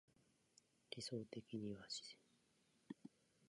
理想的には自然